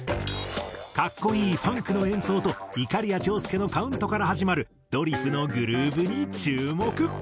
格好いいファンクの演奏といかりや長介のカウントから始まるドリフのグルーヴに注目。